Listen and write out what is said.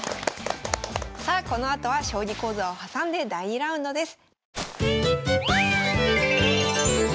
さあこのあとは将棋講座を挟んで第２ラウンドです。